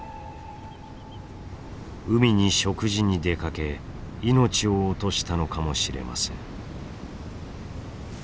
海に食事に出かけ命を落としたのかもしれません。